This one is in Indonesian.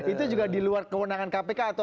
itu juga di luar kewenangan kpk atau